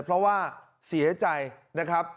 เพราะว่าเสียใจนะครับ